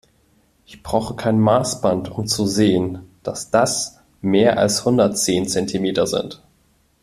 Ich brauche kein Maßband, um zu sehen, dass das mehr als hundertzehn Zentimeter sind.